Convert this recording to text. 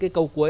cái câu cuối